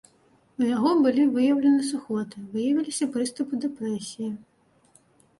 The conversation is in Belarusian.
У яго былі выяўлены сухоты, выявіліся прыступы дэпрэсіі.